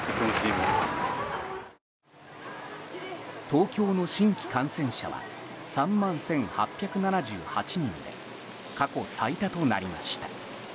東京の新規感染者は３万１８７８人で過去最多となりました。